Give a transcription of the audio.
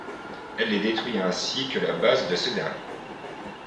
Elle les détruit ainsi que la base de ce dernier.